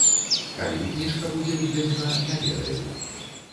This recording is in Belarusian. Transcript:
Калі кніжка будзе выдадзена, не ведаю.